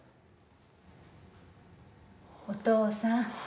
お父さん。